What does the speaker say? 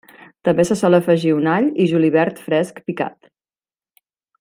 També se sol afegir un all i julivert fresc picat.